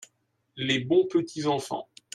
les bons petits enfants.